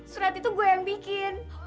surat itu gue yang bikin